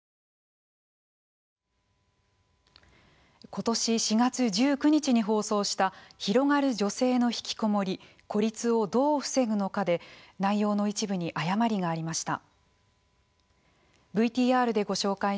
今年４月１９日に放送した「広がる女性のひきこもり“孤立”をどう防ぐのか」で内容の一部に誤りがありました。